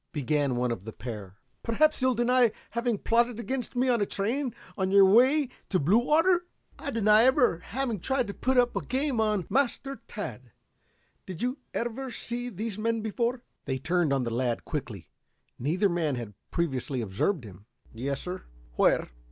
began one of the pair. "Perhaps you'll deny having plotted against me on a train on your way to Bluewater." "I deny ever having tried to put up a game on " "Master Tad, did you ever see these men before?" They turned on the lad quickly. Neither man had previously observed him. "Yes, sir." "Where?"